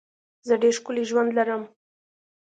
زه ډېر ښکلی ژوند لرم.